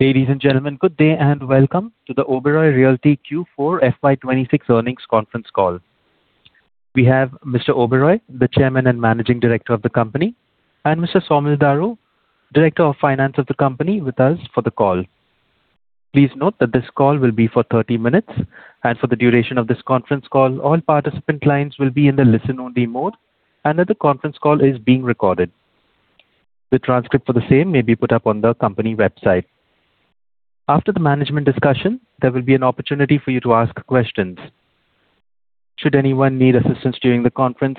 Ladies and gentlemen, good day and welcome to the Oberoi Realty Q4 FY 2026 earnings conference call. We have Mr. Oberoi, the Chairman and Managing Director of the company, and Mr. Saumil Daru, Director of Finance of the company, with us for the call. Please note that this call will be for 30 minutes. For the duration of this conference call, all participant lines will be in the listen-only mode and that the conference call is being recorded. The transcript for the same may be put up on the company website. After the management discussion, there will be an opportunity for you to ask questions. Should anyone need assistance during the conference,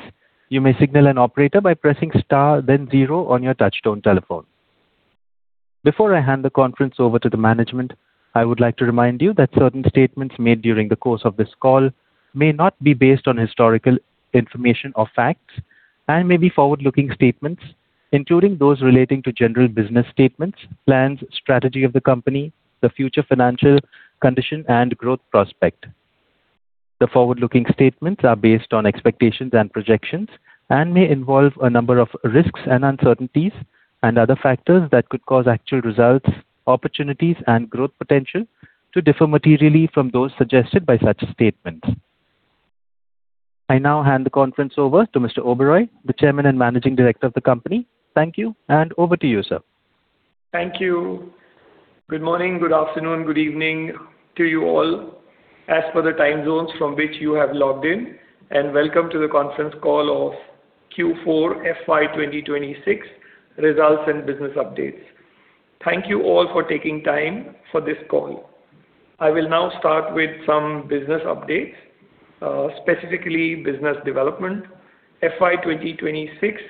you may signal an operator by pressing Star then zero on your touch-tone telephone. Before I hand the conference over to the management, I would like to remind you that certain statements made during the course of this call may not be based on historical information or facts and may be forward-looking statements, including those relating to general business statements, plans, strategy of the company, the future financial condition and growth prospect. The forward-looking statements are based on expectations and projections and may involve a number of risks and uncertainties and other factors that could cause actual results, opportunities and growth potential to differ materially from those suggested by such statements. I now hand the conference over to Mr. Oberoi, the Chairman and Managing Director of the company. Thank you, and over to you, sir. Thank you. Good morning, good afternoon, good evening to you all, as per the time zones from which you have logged in. Welcome to the conference call of Q4 FY 2026 results and business updates. Thank you all for taking time for this call. I will now start with some business updates, specifically business development. FY 2026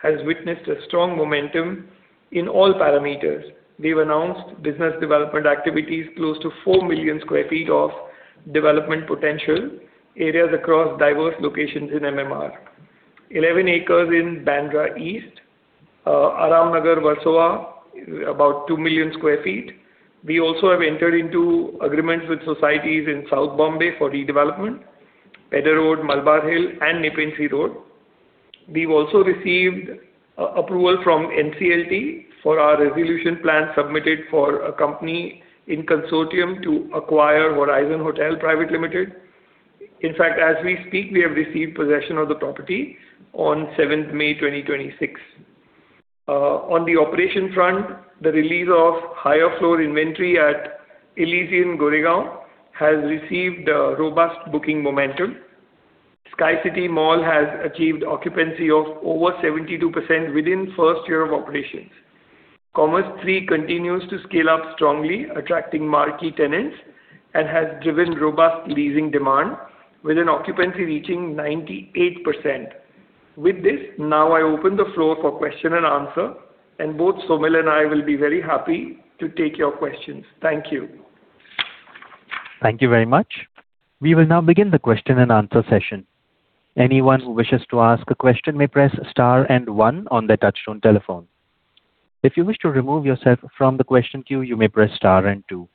has witnessed a strong momentum in all parameters. We've announced business development activities close to 4 million sq ft of development potential, areas across diverse locations in MMR. 11 acres in Bandra East. Aram Nagar, Versova, about 2 million sq ft. We also have entered into agreements with societies in South Bombay for redevelopment, Pedder Road, Malabar Hill and Nepean Sea Road. We've also received approval from NCLT for our resolution plan submitted for a company in consortium to acquire Hotel Horizon Private Limited. In fact, as we speak, we have received possession of the property on May 7, 2026. On the operation front, the release of higher floor inventory at Elysian Goregaon has received a robust booking momentum. Sky City Mall has achieved occupancy of over 72% within first year of operations. Commerz III continues to scale up strongly, attracting marquee tenants and has driven robust leasing demand with an occupancy reaching 98%. With this, now I open the floor for question and answer, and both Saumil and I will be very happy to take your questions. Thank you. Thank you very much. We will now begin the question-and-answer session. Anyone who wishes to ask a question may press star and one on their touchtone telephone. If you wish to remove yourself from the question queue, you may press star and two.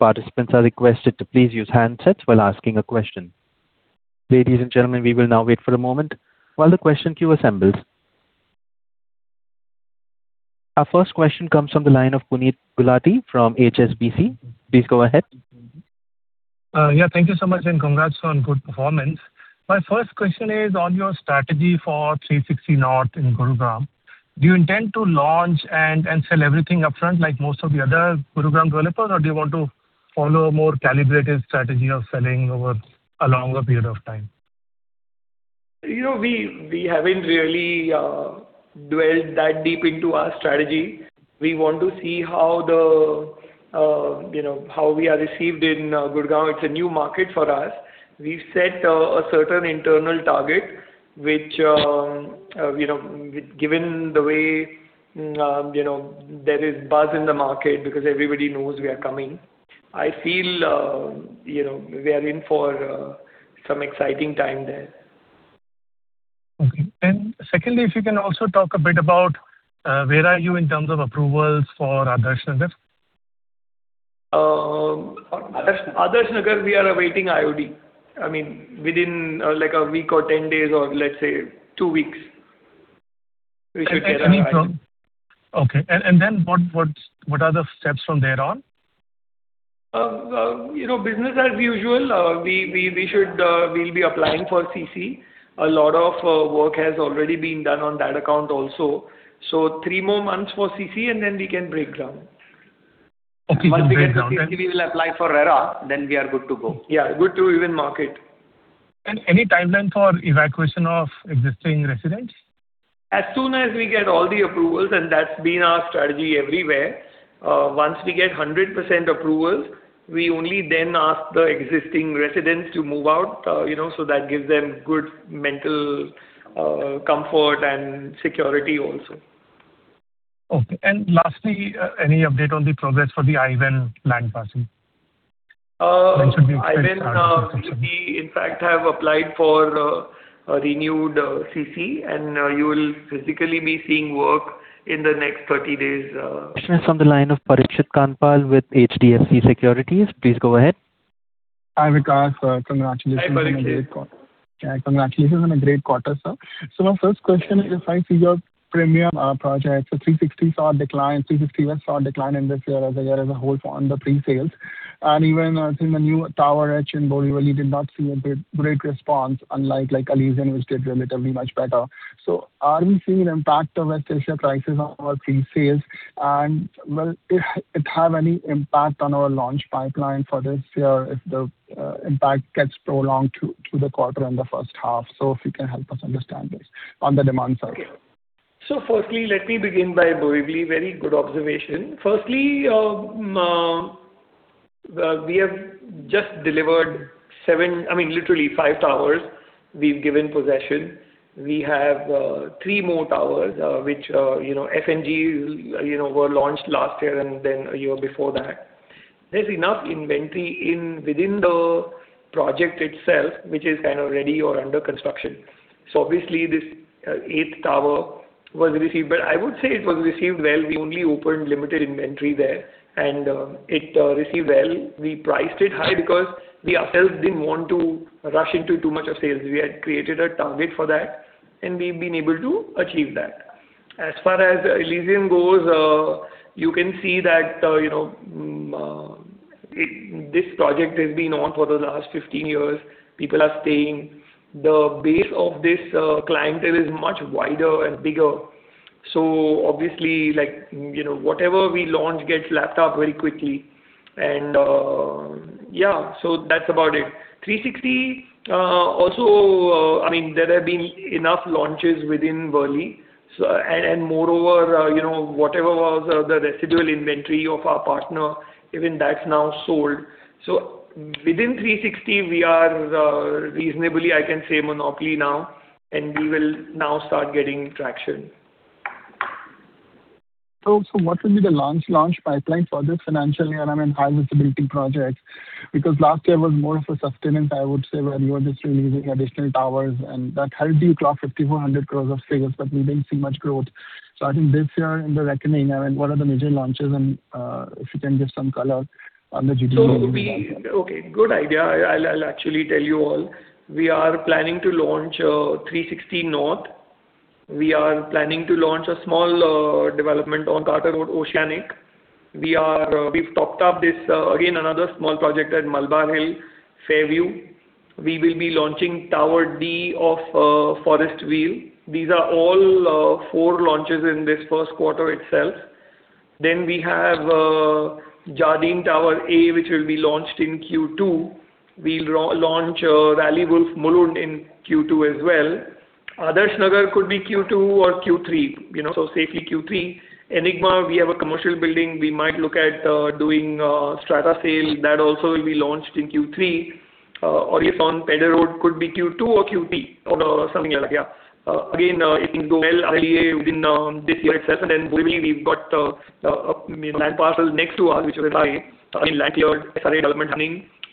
Participants are requested to please use handsets while asking a question. Ladies and gentlemen, we will now wait for a moment while the question queue assembles. Our first question comes from the line of Puneet Gulati from HSBC. Please go ahead. Yeah, thank you so much, and congrats on good performance. My first question is on your strategy for Three Sixty North in Gurgaon. Do you intend to launch and sell everything up front like most of the other Gurgaon developers? Do you want to follow a more calibrated strategy of selling over a longer period of time? You know, we haven't really dwelled that deep into our strategy. We want to see how the, you know, how we are received in Gurgaon. It's a new market for us. We've set a certain internal target, which, you know, given the way, you know, there is buzz in the market because everybody knows we are coming. I feel, you know, we are in for some exciting time there. Okay. Secondly, if you can also talk a bit about, where are you in terms of approvals for Adarsh Nagar? Um- Adarsh Nagar. Adarsh Nagar, we are awaiting IOD. I mean, within, like a week or 10 days or let's say two weeks, we should get our IOD. Okay. Then what's, what are the steps from there on? You know, business as usual. We should be applying for CC. A lot of work has already been done on that account also. Three more months for CC and then we can break ground. Okay. Once you break ground. Once we get the CC, we will apply for RERA, then we are good to go. Yeah, good to even market. Any timeline for evacuation of existing residents? As soon as we get all the approvals, that's been our strategy everywhere. Once we get 100% approvals, we only then ask the existing residents to move out. You know, that gives them good mental comfort and security also. Okay. Lastly, any update on the progress for the I-Ven land parcel? I-Ven, we in fact have applied for a renewed CC, and you will physically be seeing work in the next 30 days. From the line of Parikshit Kandpal with HDFC Securities. Please go ahead. Hi, Vikas. Congratulations on a great quarter. Hi, Parikshit. Yeah, congratulations on a great quarter, sir. My first question is, if I see your premium projects, Sky City saw a decline, Three Sixty West saw a decline in this year as a whole on the presales. Even, I think the new tower at Borivali did not see a great response, unlike Elysian, which did relatively much better. Are we seeing impact of registration prices on our presales? Will it have any impact on our launch pipeline for this year if the impact gets prolonged to, through the quarter and the first half? If you can help us understand this on the demand side. Firstly, let me begin by Borivali. Very good observation. Firstly, we have just delivered seven I mean, literally five towers we've given possession. We have three more towers, which, you know, F and G, you know, were launched last year and then a year before that. There's enough inventory in within the project itself, which is kind of ready or under construction. Obviously this eighth tower was received, but I would say it was received well. We only opened limited inventory there, and it received well. We priced it high because we ourselves didn't want to rush into too much of sales. We had created a target for that, and we've been able to achieve that. As far as Elysian goes, you can see that, you know, this project has been on for the last 15 years. People are staying. The base of this clientele is much wider and bigger, so obviously, like, you know, whatever we launch gets lapped up very quickly and, yeah, so that's about it. Sky City, also, I mean, there have been enough launches within Borivali. And moreover, you know, whatever was the residual inventory of our partner, even that's now sold. Within Sky City we are, reasonably, I can say, monopoly now, and we will now start getting traction. What will be the launch pipeline for this financial year? I mean, high visibility projects. Last year was more of a sustenance, I would say, where you were just releasing additional towers, and that helped you clock 5,400 crore of sales, but we didn't see much growth. I think this year in the reckoning, I mean, what are the major launches? If you can give some color on the GDV. Okay, good idea. I'll actually tell you all. We are planning to launch Three Sixty North. We are planning to launch a small development on Carter Road, Oceanic. We've topped up this again, another small project at Malabar Hill, Fairview. We will be launching Tower D of Forestville. These are all four launches in this first quarter itself. We have Jardin Tower A, which will be launched in Q2. We'll launch Ralli Wolf Mulund in Q2 as well. Adarsh Nagar could be Q2 or Q3, you know, so safely Q3. Enigma, we have a commercial building. We might look at doing a strata sale. That also will be launched in Q3. Orion on Pedder Road could be Q2 or Q3 or something like that. Yeah. Again, it will go well, ideally within this year itself. Borivali, we've got land parcel next to us, which is a high land yard SI development.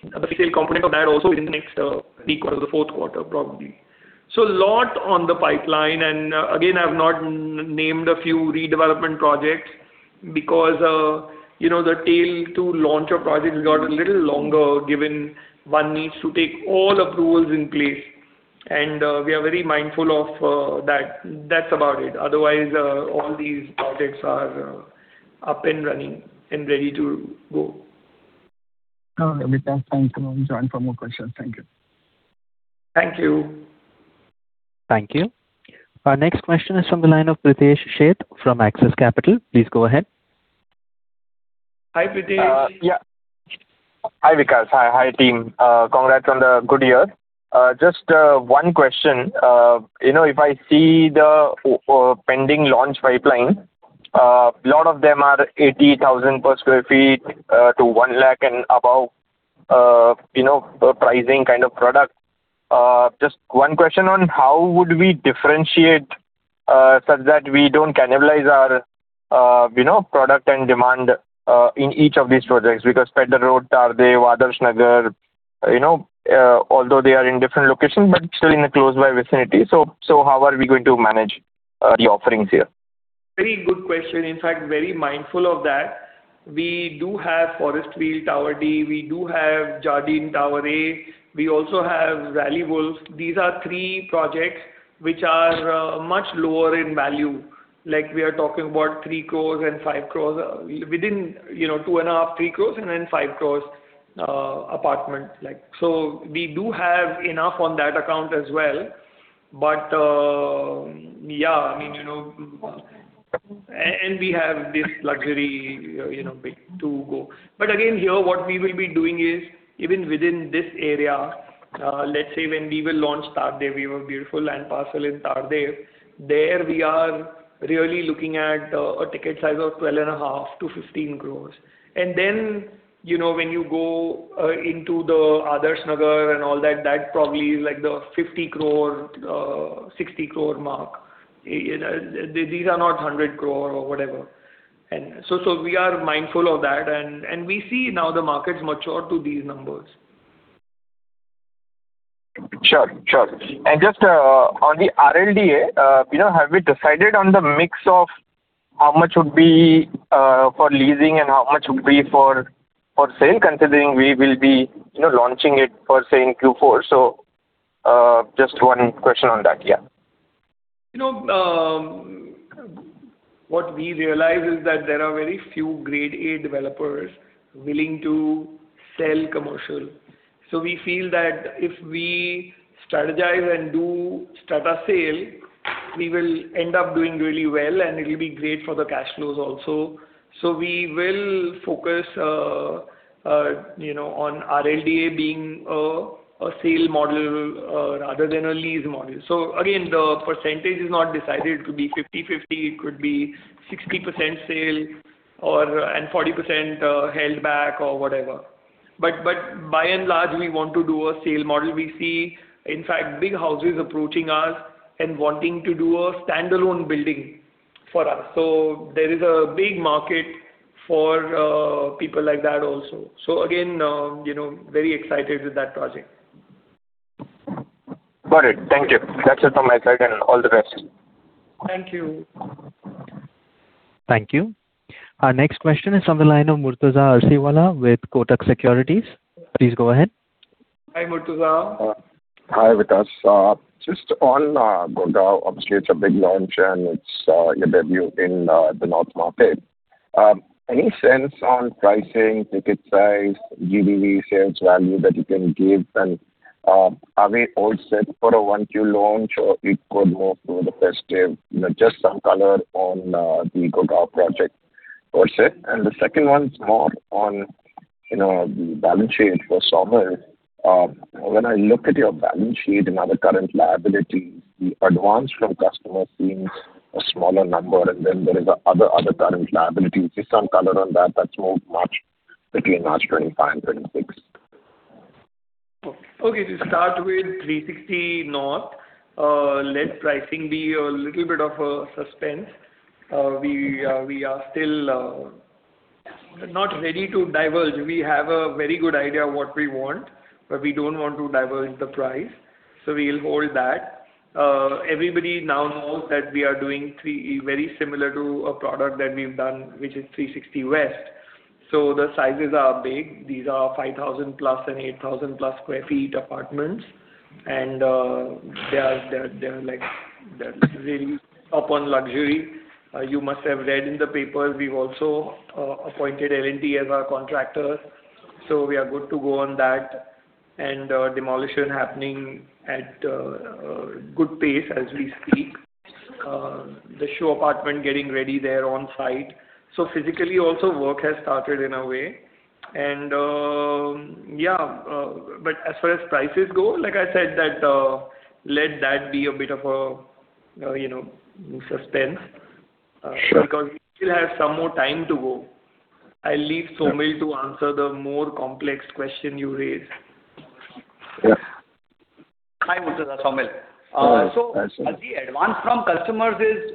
The free sale component of that also is in the next week or the fourth quarter, probably. A lot on the pipeline. Again, I've not named a few redevelopment projects because, you know, the tail to launch a project got a little longer, given one needs to take all approvals in place. We are very mindful of that. That's about it. Otherwise, all these projects are up and running and ready to go. All right, Vikas. Thanks a lot. I'll join for more questions. Thank you. Thank you. Thank you. Our next question is from the line of Pritesh Sheth from Axis Capital. Please go ahead. Hi, Pritesh. Yeah. Hi, Vikas. Hi. Hi, team. Congrats on the good year. Just one question. You know, if I see the pending launch pipeline, a lot of them are 80,000 per square feet to 1 lakh and above, you know, pricing kind of product. Just one question on how would we differentiate such that we don't cannibalize our, you know, product and demand in each of these projects? Pedder Road, Tardeo, Adarsh Nagar, you know, although they are in different locations, but still in a close by vicinity. How are we going to manage the offerings here? Very good question. In fact, very mindful of that. We do have Forestville Tower D. We do have Jardin Tower A. We also have Valley Wolves. These are three projects which are much lower in value. Like, we are talking about 3 crores and 5 crores. Within, you know, 2.5 crores, 3 crores and then 5 crores apartment. Like, so we do have enough on that account as well. Yeah, I mean, you know and we have this luxury, you know, big to go. Again, here, what we will be doing is even within this area, let's say when we will launch Tardeo. We have a beautiful land parcel in Tardeo. There we are really looking at a ticket size of 12.5 crores to 15 crores. Then, you know, when you go into the Adarsh Nagar and all that probably is like the 50 crore, 60 crore mark. You know, these are not 100 crore or whatever. So, we are mindful of that. We see now the markets mature to these numbers. Sure, sure. Just on the RLDA, you know, have we decided on the mix of how much would be for leasing and how much would be for sale, considering we will be, you know, launching it for, say, in Q4? Just one question on that. Yeah. You know, what we realize is that there are very few Grade A developers willing to sell commercial. We feel that if we strategize and do strata sale, we will end up doing really well, and it'll be great for the cash flows also. We will focus, you know, on RLDA being a sale model, rather than a lease model. Again, the percentage is not decided. It could be 50/50, it could be 60% sale or 40% held back or whatever. By and large, we want to do a sale model. We see, in fact, big houses approaching us and wanting to do a standalone building for us. There is a big market for people like that also. Again, you know, very excited with that project. Got it. Thank you. That's it from my side and all the best. Thank you. Thank you. Our next question is on the line of Murtuza Arsiwalla with Kotak Securities. Please go ahead. Hi, Murtuza. Hi, Vikas. Just on Gurgaon, obviously it's a big launch and it's your debut in the north market. Any sense on pricing, ticket size, GDV sales value that you can give? Are we all set for a 1Q launch or it could move to the festive? You know, just some color on the Gurgaon project per se. The second one's more on, you know, the balance sheet for Saumil. When I look at your balance sheet and other current liability, the advance from customers seems a smaller number, and then there is other current liabilities. Just some color on that's moved much between March 2025 and 2026. Okay. To start with, Three Sixty North, let pricing be a little bit of a suspense. We are still not ready to diverge. We have a very good idea of what we want, but we don't want to diverge the price, we'll hold that. Everybody now knows that we are doing very similar to a product that we've done, which is Three Sixty West. The sizes are big. These are 5,000+ and 8,000+ sq ft apartments. They're like, they're really up on luxury. You must have read in the papers, we've also appointed L&T as our contractor, we are good to go on that. Demolition happening at a good pace as we speak. The show apartment getting ready there on site. Physically also, work has started in a way. Yeah. As far as prices go, like I said, that, let that be a bit of a, you know, suspense. Sure Because we still have some more time to go. I'll leave Saumil to answer the more complex question you raised. Yeah. Hi, Murtuza. Saumil. Hi, Saumil. As the advance from customers is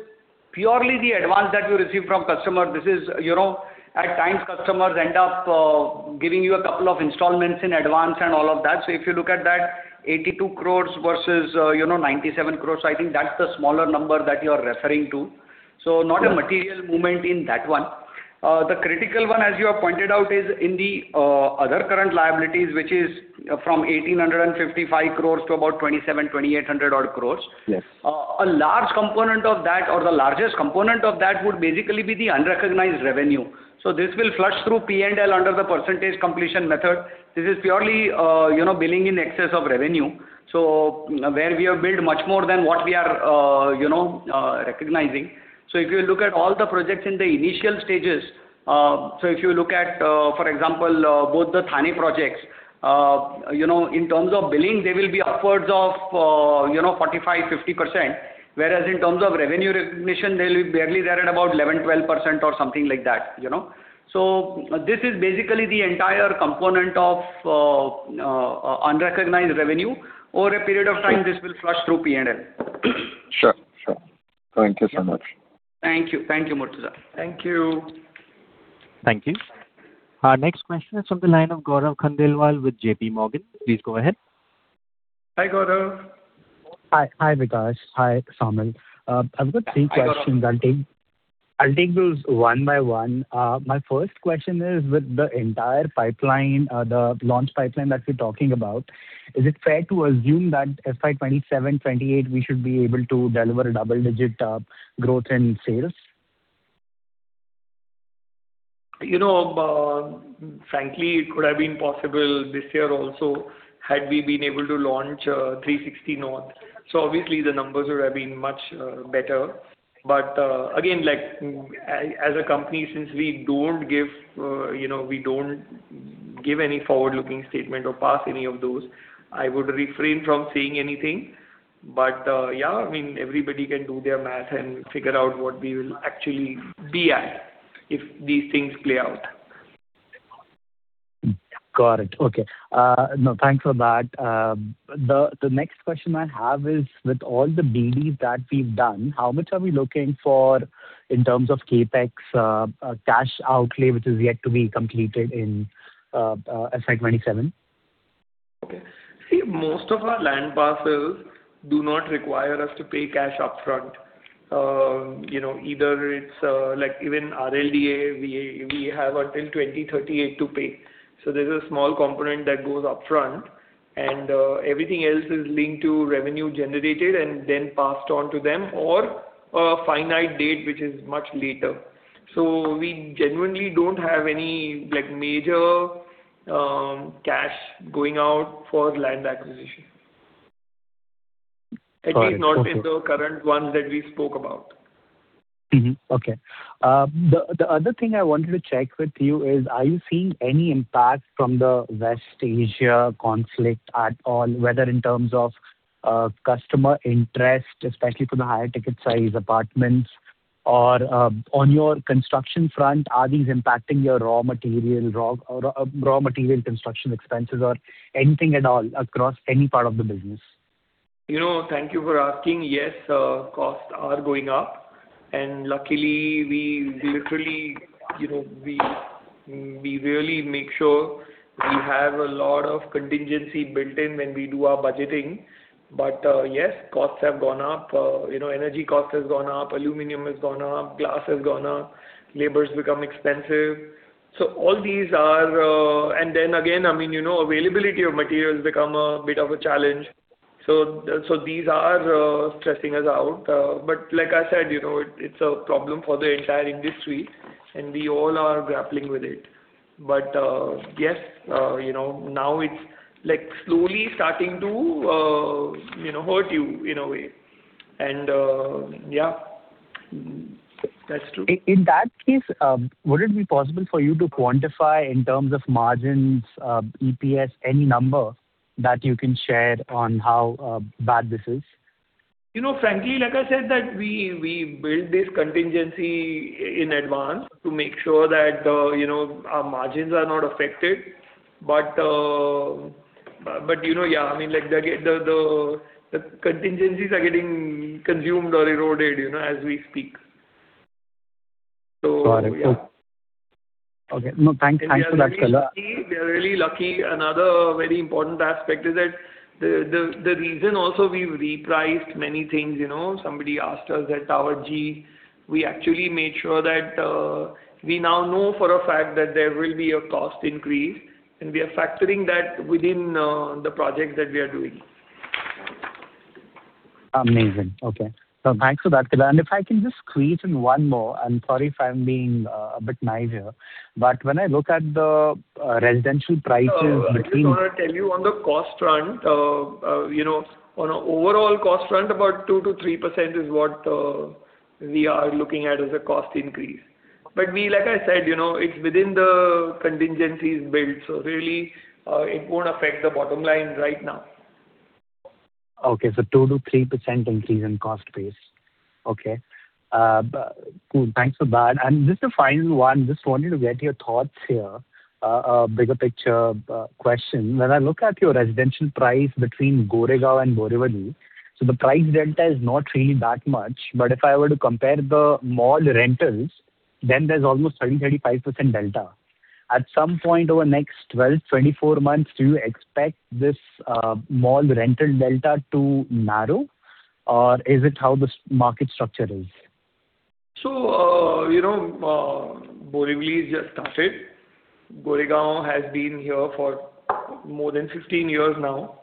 purely the advance that you receive from customer, this is, you know, at times customers end up giving you a couple of installments in advance and all of that. If you look at that, 82 crores versus, you know, 97 crores. I think that's the smaller number that you are referring to. Not a material movement in that one. The critical one, as you have pointed out, is in the other current liabilities, which is from 1,855 crores to about 2,700-2,800 odd crores. Yes. A large component of that or the largest component of that would basically be the unrecognized revenue. This will flush through P&L under the percentage completion method. This is purely, you know, billing in excess of revenue. Where we have billed much more than what we are, you know, recognizing. If you look at all the projects in the initial stages, if you look at, for example, both the Thane projects, you know, in terms of billing they will be upwards of, you know, 45%, 50%, whereas in terms of revenue recognition, they'll be barely there at about 11%, 12% or something like that, you know. This is basically the entire component of unrecognized revenue. Over a period of time, this will flush through P&L. Sure. Thank you so much. Thank you. Thank you, Murtuza. Thank you. Thank you. Our next question is from the line of Gaurav Khandelwal with J.P. Morgan. Please go ahead. Hi, Gaurav. Hi. Hi, Vikas. Hi, Saumil. I've got three questions. Hi, Gaurav. I'll take those one by one. My first question is, with the entire pipeline, the launch pipeline that we're talking about, is it fair to assume that FY 2027, 2028 we should be able to deliver a double-digit growth in sales? You know, frankly, it could have been possible this year also had we been able to launch Three Sixty North. Obviously the numbers would have been much better. Again, like, as a company, since we don't give, you know, we don't give any forward-looking statement or pass any of those, I would refrain from saying anything. Yeah, I mean, everybody can do their math and figure out what we will actually be at if these things play out. Got it. Okay. No, thanks for that. The next question I have is with all the deals that we've done, how much are we looking for in terms of CapEx cash outlay, which is yet to be completed in FY 2027? Okay. See, most of our land parcels do not require us to pay cash upfront. you know, either it's, like even RLDA, we have until 2038 to pay. There's a small component that goes upfront and everything else is linked to revenue generated and then passed on to them or a finite date, which is much later. We genuinely don't have any, like, major cash going out for land acquisition. Sorry. Okay. At least not with the current ones that we spoke about. Mm-hmm. Okay. The other thing I wanted to check with you is, are you seeing any impact from the West Asia conflict at all, whether in terms of customer interest, especially for the higher ticket size apartments or on your construction front, are these impacting your raw material, raw material construction expenses or anything at all across any part of the business? You know, thank you for asking. Yes, costs are going up, and luckily we literally, you know, we really make sure we have a lot of contingency built in when we do our budgeting. Yes, costs have gone up. You know, energy cost has gone up, aluminum has gone up, glass has gone up, labor's become expensive. Then again, I mean, you know, availability of materials become a bit of a challenge. So, these are stressing us out. Like I said, you know, it's a problem for the entire industry, and we all are grappling with it. Yes, you know, now it's, like, slowly starting to, you know, hurt you in a way. Yeah, that's true. In that case, would it be possible for you to quantify in terms of margins, EPS, any number that you can share on how bad this is? You know, frankly, like I said, that we build this contingency in advance to make sure that, you know, our margins are not affected. You know, yeah, I mean, like, the contingencies are getting consumed or eroded, you know, as we speak. Yeah. Got it. Okay. No, thank you. Thanks for that, Vikas. We are really lucky. We are really lucky. Another very important aspect is that the reason also we've repriced many things, you know. Somebody asked us at Tower G. We actually made sure that we now know for a fact that there will be a cost increase, and we are factoring that within the projects that we are doing. Amazing. Okay. Thanks for that, Vikas. If I can just squeeze in one more. I am sorry if I am being a bit naive here. When I look at the residential prices between I just wanna tell you on the cost front, you know, on a overall cost front, about 2%-3% is what, we are looking at as a cost increase. Like I said, you know, it's within the contingencies built, so really, it won't affect the bottom line right now. Okay. 2%-3% increase in cost base. Okay. Cool. Thanks for that. Just a final one. Just wanted to get your thoughts here. A bigger picture question. When I look at your residential price between Goregaon and Borivali, the price delta is not really that much. If I were to compare the mall rentals, there's almost 20%-35% delta. At some point over the next 12-24 months, do you expect this mall rental delta to narrow, or is it how the market structure is? You know, Borivali's just started. Goregaon has been here for more than 15 years now.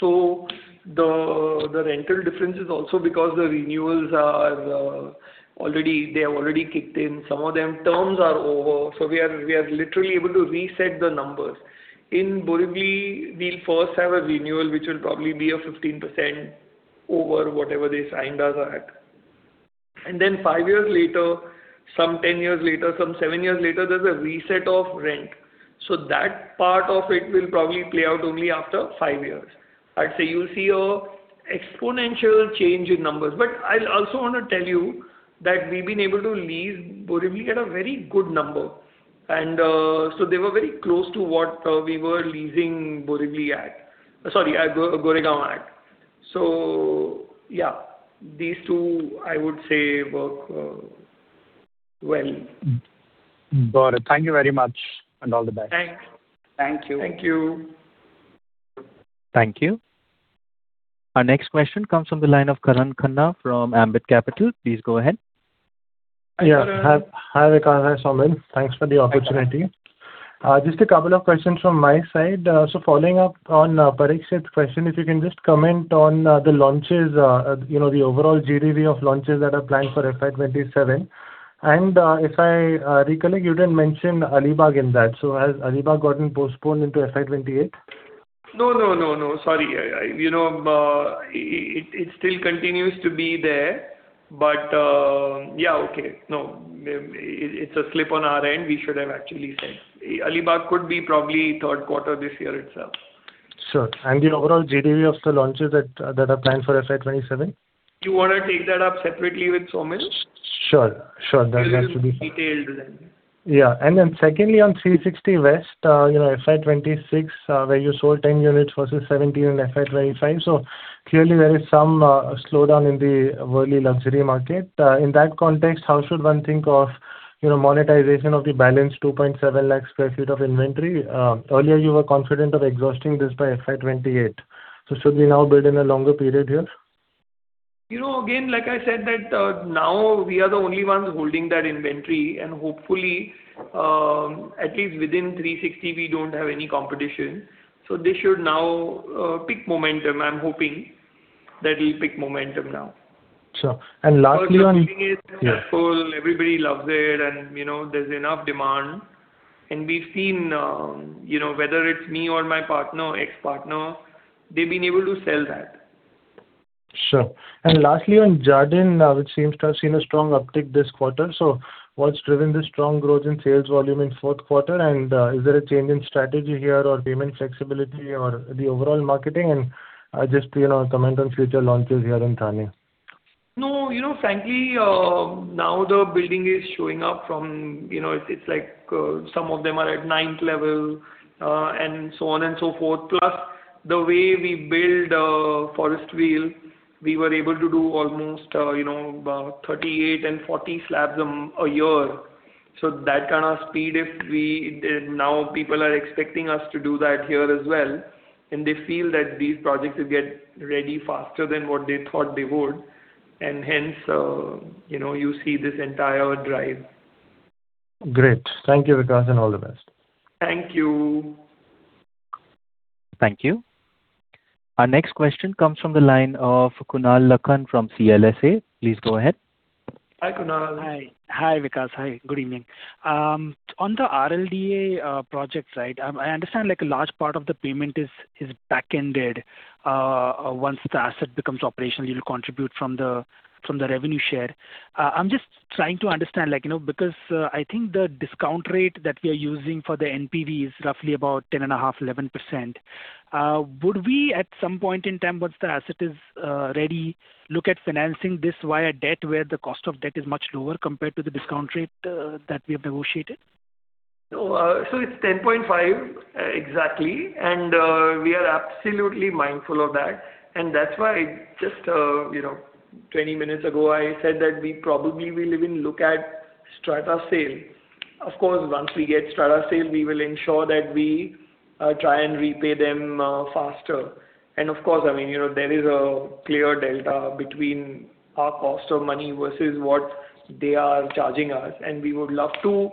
The rental difference is also because the renewals are, already they have already kicked in. Some of them, terms are over, we are literally able to reset the numbers. In Borivali, we'll first have a renewal, which will probably be a 15% over whatever they signed us at. Five years later, some 10 years later, some seven years later, there's a reset of rent. That part of it will probably play out only after five years. I'd say you'll see a exponential change in numbers. I'll also wanna tell you that we've been able to lease Borivali at a very good number. They were very close to what we were leasing Borivali at. Sorry, at Goregaon at. Yeah, these two, I would say, work, well. Got it. Thank you very much, and all the best. Thanks. Thank you. Thank you. Thank you. Our next question comes from the line of Karan Khanna from Ambit Capital. Please go ahead. Hi, Karan. Yeah. Hi, Vikas. Hi, Saumil. Thanks for the opportunity. Hi, Karan. Just a couple of questions from my side. Following up on Parikshit's question, if you can just comment on the launches, you know, the overall GDV of launches that are planned for FY 2027. If I recollect, you didn't mention Alibaug in that. Has Alibaug gotten postponed into FY 2028? No. Sorry. You know, it still continues to be there. Yeah, okay. No, it's a slip on our end. We should have actually said. Alibaug could be probably third quarter this year itself. Sure. The overall GDV of the launches that are planned for FY 2027? Do you wanna take that up separately with Saumil? Sure. Sure. He'll give you detailed numbers. Secondly, on Sky City West, you know, FY 2026, where you sold 10 units versus 17 in FY 2025. Clearly there is some slowdown in the Worli luxury market. In that context, how should one think of, you know, monetization of the balance 2.7 lakh sq ft of inventory. Earlier you were confident of exhausting this by FY 2028. Should we now build in a longer period here? You know, again, like I said, that, now we are the only ones holding that inventory, and hopefully, at least within Three Sixty we don't have any competition. This should now pick momentum. I'm hoping that it'll pick momentum now. Sure. Our building is successful. Everybody loves it and, you know, there's enough demand. We've seen, you know, whether it's me or my partner, ex-partner, they've been able to sell that. Sure. Lastly, on Jardin, which seems to have seen a strong uptick this quarter. What's driven the strong growth in sales volume in fourth quarter? Is there a change in strategy here or payment flexibility or the overall marketing? Just, you know, comment on future launches here in Thane. No. You know, frankly, now the building is showing up from, you know, it's like, some of them are at ninth level, and so on and so forth. The way we build Forestville, we were able to do almost, you know, about 38 and 40 slabs a year. That kind of speed, and now people are expecting us to do that here as well, and they feel that these projects will get ready faster than what they thought they would. Hence, you know, you see this entire drive. Great. Thank you, Vikas, and all the best. Thank you. Thank you. Our next question comes from the line of Kunal Lakhan from CLSA. Please go ahead. Hi, Kunal. Hi. Hi, Vikas. Hi, good evening. On the RLDA project, right, I understand like a large part of the payment is backended. Once the asset becomes operational, you'll contribute from the revenue share. I'm just trying to understand, like, you know, because I think the discount rate that we are using for the NPV is roughly about 10.5%, 11%. Would we at some point in time, once the asset is ready, look at financing this via debt, where the cost of debt is much lower compared to the discount rate that we have negotiated? It's 10.5% exactly. We are absolutely mindful of that. That's why just, you know, 20 minutes ago, I said that we probably will even look at strata sale. Of course, once we get strata sale, we will ensure that we try and repay them faster. Of course, I mean, you know, there is a clear delta between our cost of money versus what they are charging us. We would love to,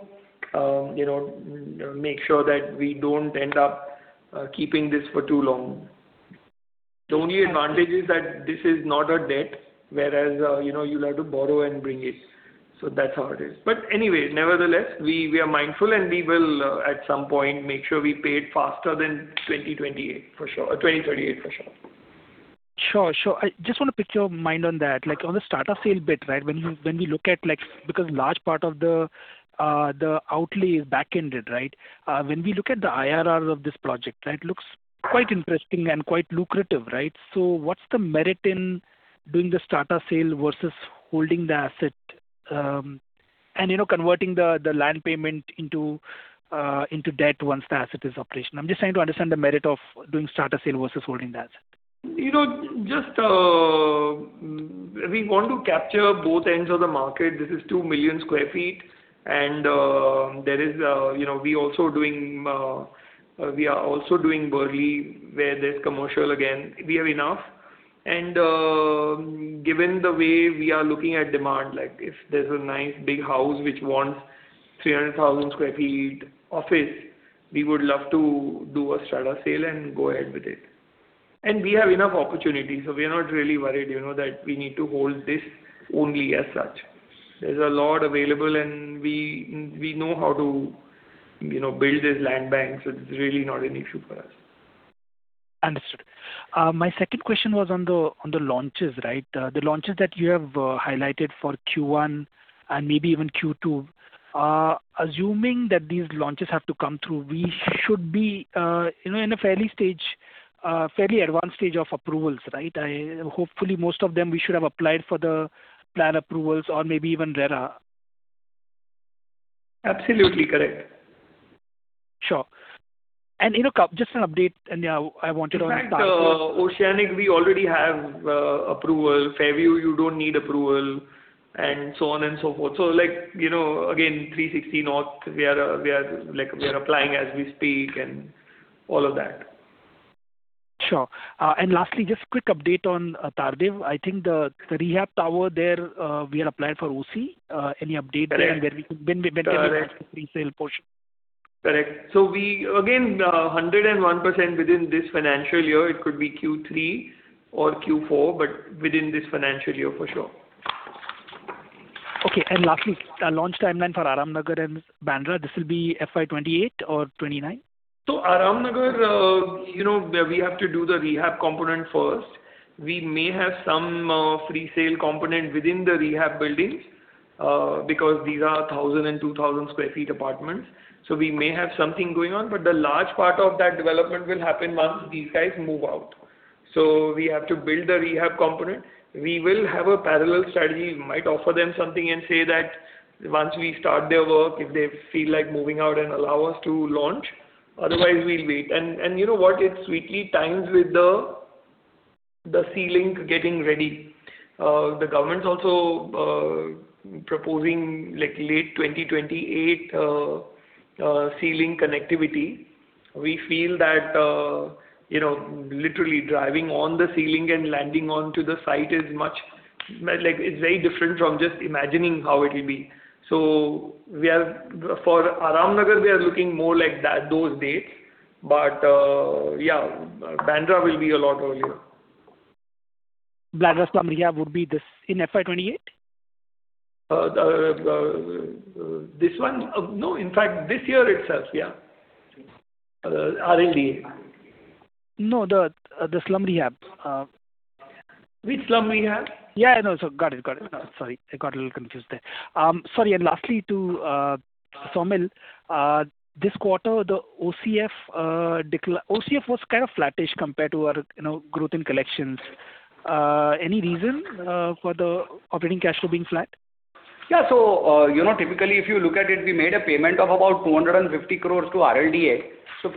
you know, make sure that we don't end up keeping this for too long. The only advantage is that this is not a debt, whereas, you know, you'll have to borrow and bring it. That's how it is. Nevertheless, we are mindful, and we will, at some point, make sure we pay it faster than 2028 for sure, 2038 for sure. Sure. Sure. I just wanna pick your mind on that. Like, on the strata sale bit, right? When you, when we look at, like, because large part of the outlay is backended, right? When we look at the IRR of this project, right, it looks quite interesting and quite lucrative, right? What's the merit in doing the strata sale versus holding the asset, and, you know, converting the land payment into debt once the asset is operational? I'm just trying to understand the merit of doing strata sale versus holding the asset. You know, just, we want to capture both ends of the market. This is 2 million sq ft and, there is, you know, we also doing, we are also doing Worli, where there's commercial again. We have enough and, given the way we are looking at demand, like if there's a nice big house which wants 300,000 sq ft office, we would love to do a strata sale and go ahead with it. We have enough opportunities, so we are not really worried, you know, that we need to hold this only as such. There's a lot available and we know how to, you know, build these land banks. It's really not an issue for us. Understood. My second question was on the launches, right? The launches that you have highlighted for Q1 and maybe even Q2. Assuming that these launches have to come through, we should be, you know, in a fairly advanced stage of approvals, right? Hopefully, most of them we should have applied for the plan approvals or maybe even RERA. Absolutely correct. Sure. You know, just an update and, yeah, I wanted on Tardeo. Oceanic, we already have approval. Fairview, you don't need approval, and so on and so forth. You know, again, Three Sixty North we are applying as we speak and all of that. Sure. Lastly, just quick update on Tardeo. I think the rehab tower there, we had applied for OC. Any update there? Correct. When can we expect the free sale portion? Correct. Again, 101% within this financial year. It could be Q3 or Q4, but within this financial year for sure. Okay. Lastly, launch timeline for Aram Nagar and Bandra. This will be FY 2028 or 2029? Aram Nagar, you know, we have to do the rehab component first. We may have some free sale component within the rehab buildings because these are 1,000 and 2,000 sq ft apartments. We may have something going on, but the large part of that development will happen once these guys move out. We have to build the rehab component. We will have a parallel strategy. We might offer them something and say that once we start their work, if they feel like moving out and allow us to launch, otherwise we'll wait. You know what? It sweetly times with the sea link getting ready. The government's also proposing like late 2028 sea link connectivity. We feel that, you know, literally driving on the sea link and landing onto the site is much, like, it's very different from just imagining how it will be. For Aram Nagar, we are looking more like that, those dates. Yeah, Bandra will be a lot earlier. Bandra slum rehab would be this, in FY 2028? The, this one? No. In fact, this year itself. RLDA. No, the slum rehab. Which slum rehab? Yeah, I know. Got it. Got it. Sorry. I got a little confused there. Sorry. Lastly to Saumil, this quarter, the OCF was kind of flattish compared to our, you know, growth in collections. Any reason for the operating cash flow being flat? Yeah. You know, typically, if you look at it, we made a payment of about 250 crores to RLDA. The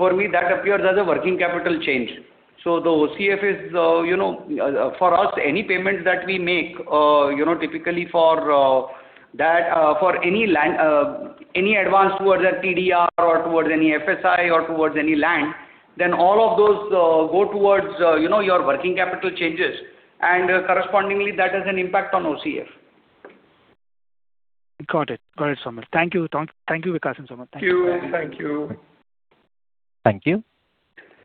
OCF is, you know, for us, any payments that we make, you know, typically for that, for any land, any advance towards a TDR or towards any FSI or towards any land, all of those go towards, you know, your working capital changes. Correspondingly, that has an impact on OCF. Got it. Got it, Saumil. Thank you, Saumil. Thank you, Vikas and Saumil. Thank you. Thank you. Thank you. Thank you.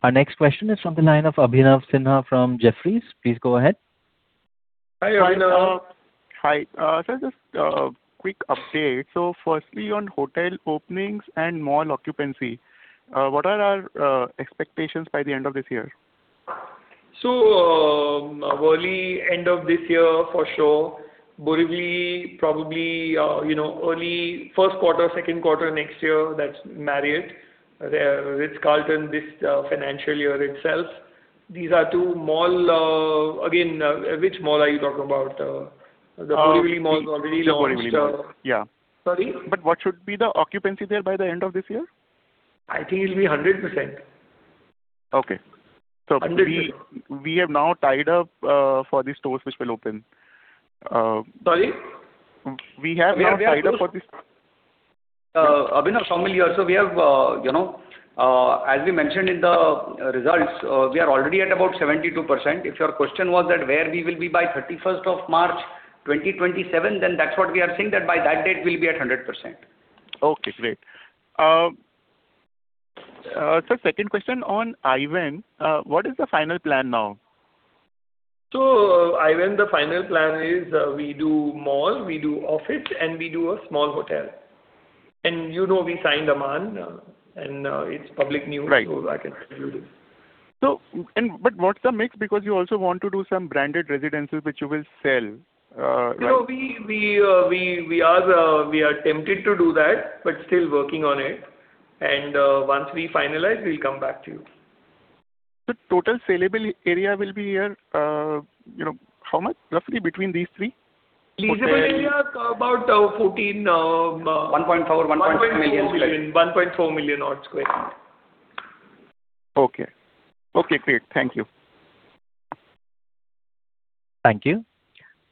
Our next question is from the line of Abhinav Sinha from Jefferies. Please go ahead. Hi, Abhinav. Hi. Just a quick update. Firstly, on hotel openings and mall occupancy, what are our expectations by the end of this year? Early end of this year for sure. Borivali, probably, you know, early first quarter, second quarter next year, that's Marriott. The Ritz-Carlton, this financial year itself. These are two mall, again, which mall are you talking about? The Sky City Mall already launched. The Borivali Mall. Yeah. Sorry? What should be the occupancy there by the end of this year? I think it'll be 100%. Okay. 100%. We have now tied up for the stores which will open. Sorry? We have now tied up. We have, you know, as we mentioned in the results, we are already at about 72%. If your question was that where we will be by 31st of March 2027, then that's what we are saying, that by that date we'll be at 100%. Okay, great. Second question on I-Ven. What is the final plan now? I-Ven, the final plan is, we do mall, we do office, and we do a small hotel. You know, we signed Aman, and it's public news. Right. I can share this. What's the mix? Because you also want to do some branded residences which you will sell, right? No, we are tempted to do that, but still working on it. Once we finalize, we'll come back to you. The total saleable area will be here, you know, how much roughly between these three? Leasable area, about 14 1.4 million sq. 1.4 million odd square. Okay. Okay, great. Thank you. Thank you.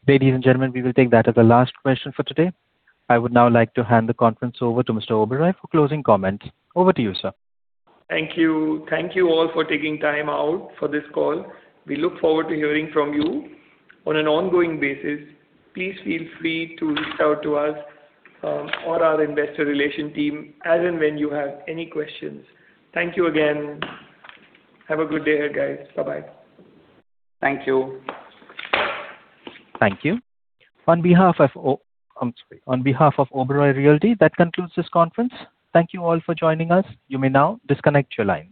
Ladies and gentlemen, we will take that as the last question for today. I would now like to hand the conference over to Mr. Oberoi for closing comments. Over to you, sir. Thank you. Thank you all for taking time out for this call. We look forward to hearing from you on an ongoing basis. Please feel free to reach out to us, or our investor relations team as and when you have any questions. Thank you again. Have a good day ahead, guys. Bye-bye. Thank you. Thank you. I'm sorry. On behalf of Oberoi Realty, that concludes this conference. Thank you all for joining us. You may now disconnect your lines.